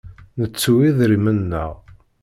Nettu idrimen-nneɣ.